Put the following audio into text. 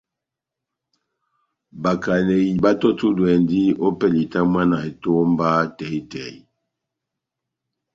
Bakaneyi batɔ́tudwɛndi opɛlɛ ya itumbwana etómba tɛhi-tɛhi.